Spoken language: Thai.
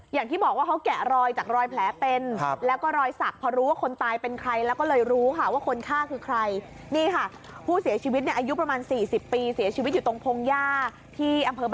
อย่างที่บอกว่าเขาแกะรอยจากรอยแผลเป็นแล้วก็รอยศักดิ์